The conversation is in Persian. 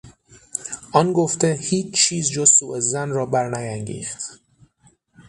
آن گفته هیچ چیز جز سوظن را برنیانگیخت.